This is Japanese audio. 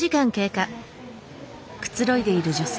くつろいでいる女性。